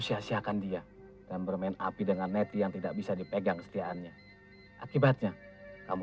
sia siakan dia dan bermain api dengan neti yang tidak bisa dipegang kesetiaannya akibatnya kamu